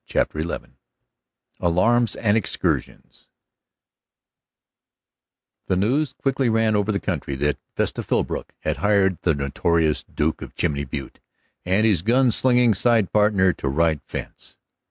CHAPTER XI ALARMS AND EXCURSIONS The news quickly ran over the country that Vesta Philbrook had hired the notorious Duke of Chimney Butte and his gun slinging side partner to ride fence.